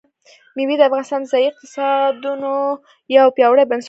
مېوې د افغانستان د ځایي اقتصادونو یو پیاوړی بنسټ دی.